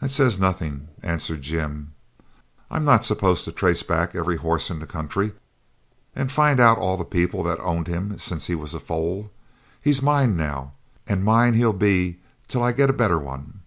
'That says nothing,' answered Jim. 'I'm not supposed to trace back every horse in the country and find out all the people that owned him since he was a foal. He's mine now, and mine he'll be till I get a better one.'